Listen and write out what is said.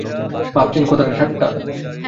ভাবছেন কথাটা ঠাট্টা?